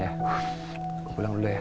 aku pulang dulu ya